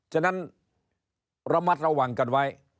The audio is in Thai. ฉะนั้นระมัดระวังกันไว้